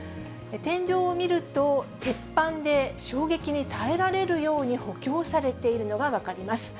天井を見ると、鉄板で衝撃に耐えられるように補強されているのが分かります。